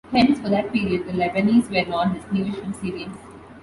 Hence, for that period, the Lebanese were not distinguished from Syrians.